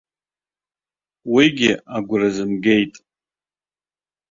Уигьы агәра зымгеит.